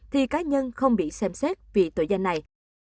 thì cá nhân không bị xem xét vì tội danh này